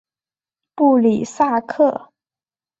布里萨克。